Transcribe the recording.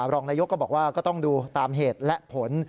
รองนายกก็บอกว่าก็ต้องดูตามเหตุและผล